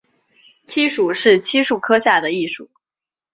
漆属是漆树科下一属。